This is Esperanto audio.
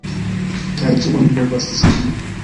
Kaj ĉu oni povas scii?